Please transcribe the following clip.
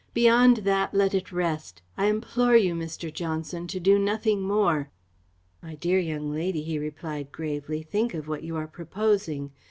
Beyond that, let it rest. I implore you, Mr. Johnson, to do nothing more." "My dear young lady," he replied gravely, "think of what you are proposing.